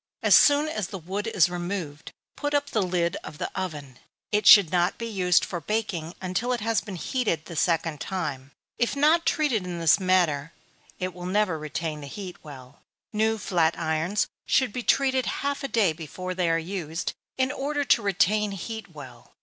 As soon as the wood is removed, put up the lid of the oven. It should not be used for baking until it has been heated the second time. If not treated in this manner, it will never retain the heat well. New flat irons should be heated half a day before they are used, in order to retain heat well.